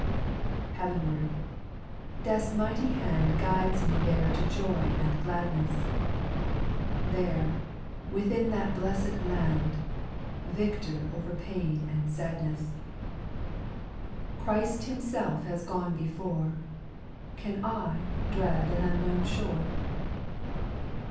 8. Heavenward ! Death's mighty hand Guides me there to joy and gladness — There, within that blessed land, Victor over pain and sadness, $28 SPIRITUAL SONGS. Christ Himself has gone before — Can / dread an unknown shore